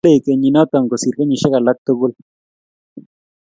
king'ulei kenyinoto kosir kenyisiek alak tugul